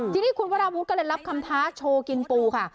ทีนี้คุณวราวุฒิก็เลยรับคำท้าโชว์กินปูค่ะ